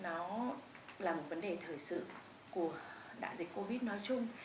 nó là một vấn đề thời sự của đại dịch covid nói chung